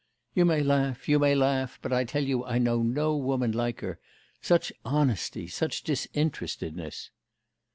'You may laugh, you may laugh; but I tell you I know no woman like her. Such honesty; such disinterestedness.